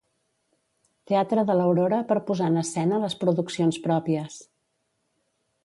Teatre de l'Aurora per posar en escena les produccions pròpies.